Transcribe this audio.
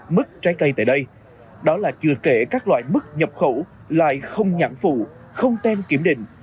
mức trái cây tại đây đó là chưa kể các loại mức nhập khẩu lại không nhãn phụ không tem kiểm định